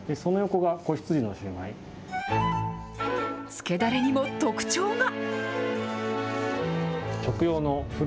つけだれにも特徴が。